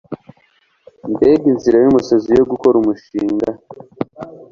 Mbega inzira yumusazi yo gukora umushinga!